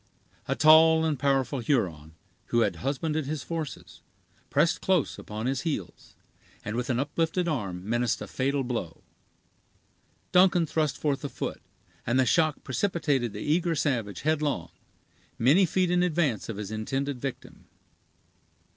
A tall and powerful Huron, who had husbanded his forces, pressed close upon his heels, and with an uplifted arm menaced a fatal blow. Duncan thrust forth a foot, and the shock precipitated the eager savage headlong, many feet in advance of his intended victim.